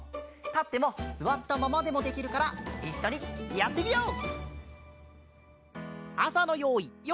たってもすわったままでもできるからいっしょにやってみよう！